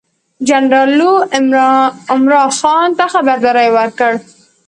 جنرال لو عمرا خان ته خبرداری ورکړ.